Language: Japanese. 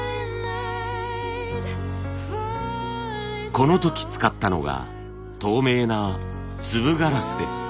この時使ったのが透明な粒ガラスです。